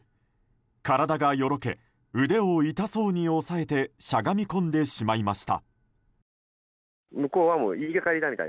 体がよろけ、腕を痛そうに押さえしゃがみ込んでしまいました。